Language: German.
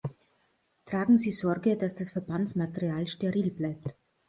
Tragen Sie Sorge, dass das Verbandsmaterial steril bleibt.